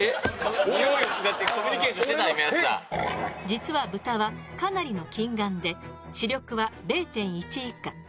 実はブタはかなりの近眼で視力は０．１以下。